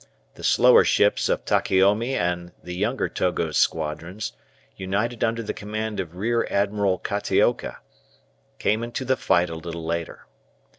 The slower ships of Takeomi and the younger Togo's squadrons, united under the command of Rear Admiral Kataoka, came into the fight a little later.